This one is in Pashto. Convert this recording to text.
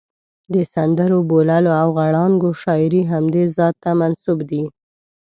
د سندرو، بوللو او غړانګو شاعري همدې ذات ته منسوب دي.